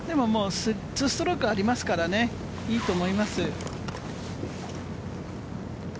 ２ストロークありますからね、いいと思います。